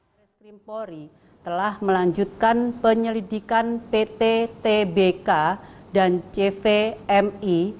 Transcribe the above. barreskrim pori telah melanjutkan penyelidikan pt tbk dan cvmi